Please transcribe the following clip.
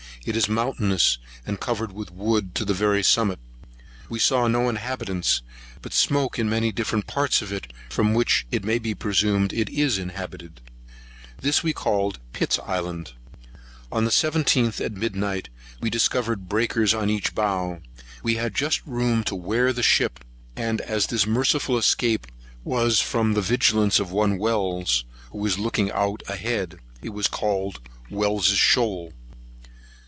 It is mountainous, and covered with wood to the very summit. We saw no inhabitants, but smoke in many different parts of it, from which it may be presumed it is inhabited. This we called Pitt's Island.[140 2] On the 17th, at midnight, we discovered breakers on each bow. We had just room to wear ship; and as this merciful escape was from the vigilance of one Wells, who was looking out ahead, it was called Wells's Shoals.